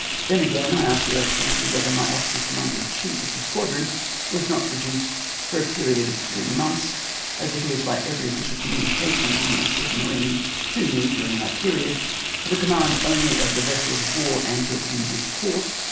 Then again I ask your excellency whether my office as commander in chief of the squadron was not reduced for a period of three months—as appears by every official communication of the Minister of Marine to me during that period—to the command only of the vessels of war anchored in this port?